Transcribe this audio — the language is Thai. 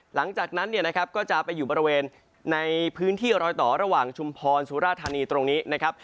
หลังจากนั้นเนี่ยนะครับก็จะไปอยู่บริเวณในพื้นที่รอยต่อระหว่างชุมพรสุราธานีตรงนี้นะครับ